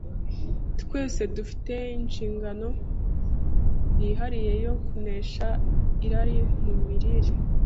Twese dufite inshingano yihariye yo kunesha irari mu mirire